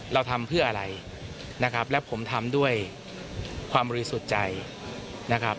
เราทำเพื่ออะไรนะครับและผมทำด้วยความบริสุทธิ์ใจนะครับ